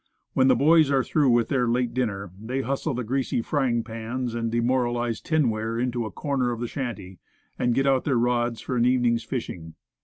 When the boys are through with their late dinner, they hustle the greasy frying pans and demoralized tinware into a corner of the shanty, and get out their rods for an evening's fishing.